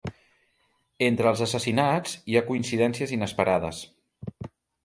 Entre els assassinats hi ha coincidències inesperades.